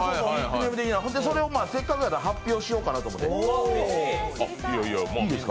それをせっかくやから発表しようかなと思って。